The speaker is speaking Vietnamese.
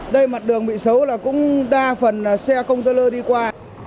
đây mặt đường bị xấu là cũng đa phần là xe công tên lơ đi qua